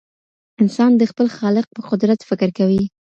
انسان د خپل خالق په قدرت فکر کوي.